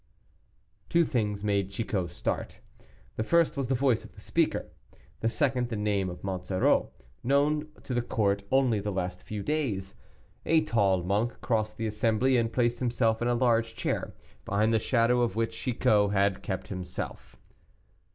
Two things made Chicot start, the first was the voice of the speaker, the second the name of Monsoreau, known to the court only the last few days. A tall monk crossed the assembly, and placed himself in a large chair, behind the shadow of which Chicot had kept himself.